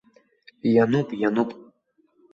Иануп, иануп!